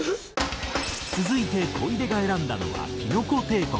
続いて小出が選んだのはきのこ帝国。